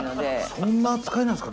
そんな扱いなんですか？